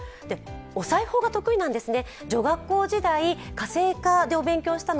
お裁縫が得意なんですね。